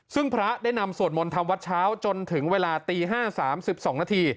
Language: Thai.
ซึ่งพระได้นำสวดมนต์ทำวัดเช้าจนถึงเวลาตี๕๓๒นาที